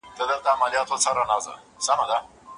حق پالنه زموږ د سرلوړي سبب سوه.